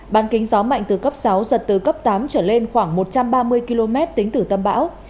ban kính gió mạnh từ cấp sáu giật từ cấp tám trở lên khoảng một trăm ba mươi km tính từ tâm bão